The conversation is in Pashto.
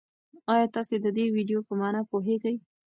ایا تاسي د دې ویډیو په مانا پوهېږئ؟